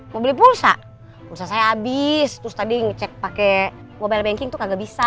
mau beli pulsa pulsa saya habis terus tadi ngecek pakai mobile banking tuh kagak bisa